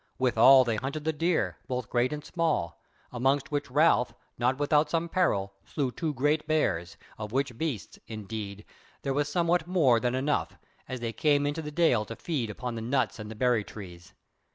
Withal they hunted the deer, both great and small; amongst which Ralph, not without some peril, slew two great bears, of which beasts, indeed, there was somewhat more than enough, as they came into the dale to feed upon the nuts and the berry trees.